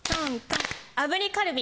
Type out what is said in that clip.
炙りカルビ。